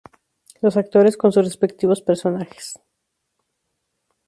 Los actores con sus respectivos personajes.